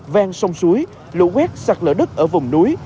ven sông suối lũ quét sạc lỡ đất ở vùng núi